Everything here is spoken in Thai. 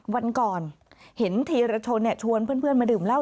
วันก่อนเห็นเทียรชนเนี่ยชวนเพื่อนมาดื่มเล่า